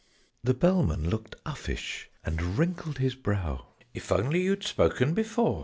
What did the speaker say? _ The Bellman looked uffish, and wrinkled his brow. "If only you'd spoken before!